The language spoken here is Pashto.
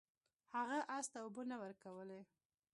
هغه اس ته اوبه نه ورکولې.